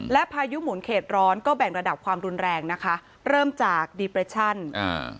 และพายุหมุนเขตร้อนก็แบ่งระดับความรุนแรงนะคะเริ่มจากดีเปรชั่นอ่า